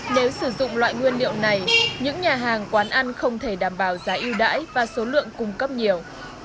nếu sử dụng loại nguyên liệu này những nhà hàng quán ăn không thể đảm bảo giá yêu đãi và số lượng cung cấp nhiều